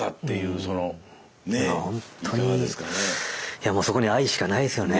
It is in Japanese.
いやもうそこには愛しかないですよね。